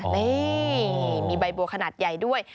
นี่มีใบบัวขนาดใหญ่ด้วย